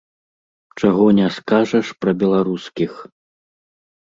Чаго не скажаш пра беларускіх.